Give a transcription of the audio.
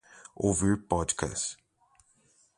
Ouvir podcast